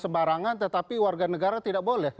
sebarangan tetapi warga negara tidak boleh